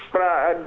dari komisi judisial